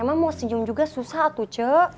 emang mau senyum juga susah atuh cuk